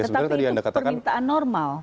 tetapi itu permintaan normal